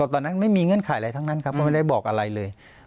ตอนนั้นไม่มีเงื่อนไขอะไรทั้งนั้นครับก็ไม่ได้บอกอะไรเลย